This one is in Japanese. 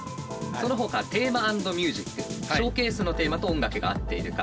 そのほか「ＴＨＥＭＥ＆ＭＵＳＩＣ」ショーケースのテーマと音楽が合っているか。